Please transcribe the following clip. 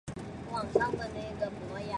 他们察觉弗雷德表现不自然。